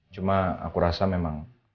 cuma aku rasa memang